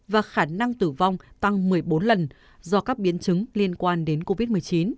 và khả năng tử vong tăng một mươi bốn lần do các biến chứng liên quan đến covid một mươi chín